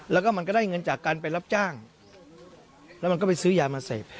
แล้วก็มันก็ได้เงินจากการไปรับจ้างแล้วมันก็ไปซื้อยามาเสพ